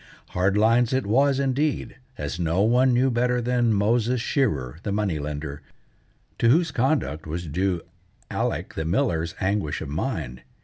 Hard lines it was, indeed, as no one knew better than Moses Shearer, the money lender, to whose conduct was due Alec the miller's anguish of mind.